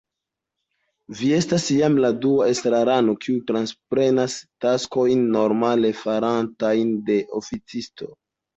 Vi estas jam la dua estrarano, kiu transprenas taskojn normale faratajn de oficisto.